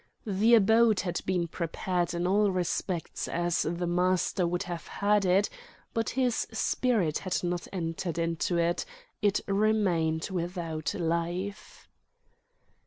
The abode had been prepared in all respects as the master would have had it, but his spirit had not entered into it, it remained without life.